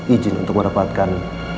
ijin untuk mendapatkan